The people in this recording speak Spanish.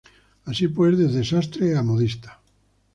Así pues, desde sastre a modista.